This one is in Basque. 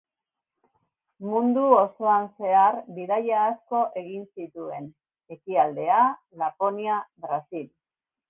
Mundu osoan zehar bidaia asko egin zituen: Ekialdea, Laponia, Brasil.